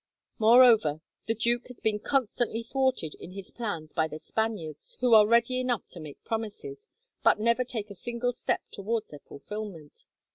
Moreover, the duke has been constantly thwarted in his plans by the Spaniards, who are ready enough to make promises, but never take a single step towards their fulfilment.